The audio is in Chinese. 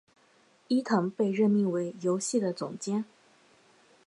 伊藤被任命为游戏的总监。